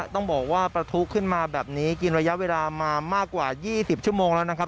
ต้องบอกว่าประทุขึ้นมาแบบนี้กินระยะเวลามามากกว่า๒๐ชั่วโมงแล้วนะครับ